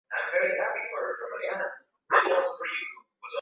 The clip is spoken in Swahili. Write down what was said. Tamaa ni mbaya